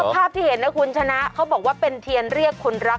ภาพที่เห็นนะคุณชนะเขาบอกว่าเป็นเทียนเรียกคนรัก